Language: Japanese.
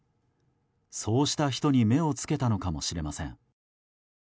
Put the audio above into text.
そうした人に目を付けたのかもしれません。